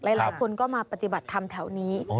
หลายคนก็มาปฏิบัติธรรมแถวนี้